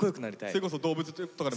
それこそ動物とかでも。